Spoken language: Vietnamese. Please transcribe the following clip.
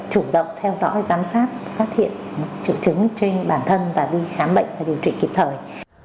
chủ động theo dõi giám sát phát hiện triệu chứng trên bản thân và đi khám bệnh và điều trị kịp thời